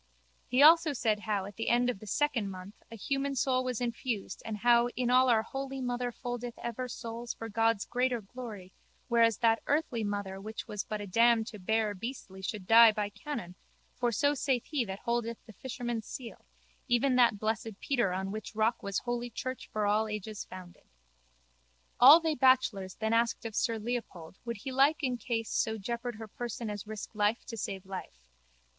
He said also how at the end of the second month a human soul was infused and how in all our holy mother foldeth ever souls for God's greater glory whereas that earthly mother which was but a dam to bear beastly should die by canon for so saith he that holdeth the fisherman's seal, even that blessed Peter on which rock was holy church for all ages founded. All they bachelors then asked of sir Leopold would he in like case so jeopard her person as risk life to save life.